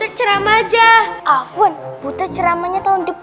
assalamualaikum warahmatullahi wabarakatuh